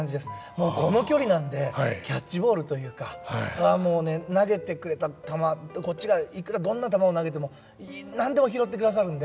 もうこの距離なんでキャッチボールというかもうね投げてくれた球こっちがいくらどんな球を投げても何でも拾ってくださるんで。